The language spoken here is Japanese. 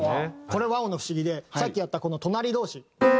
これ和音の不思議でさっきやったこの隣同士。